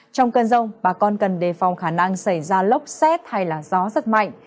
trong cơn rông bà con cần đề phòng khả năng xảy ra lốc xét hay là gió rất mạnh